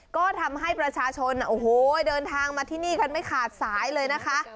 ก็ทำให้ประชาชนโอ้โหเดินทางมาที่นี่กันไม่ขาดสายเลยนะคะ